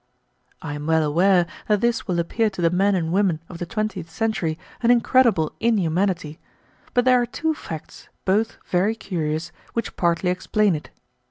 I am well aware that this will appear to the men and women of the twentieth century an incredible inhumanity, but there are two facts, both very curious, which partly explain it.